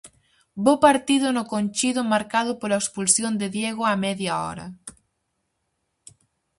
Bo partido no Conchido marcado pola expulsión de Diego á media hora.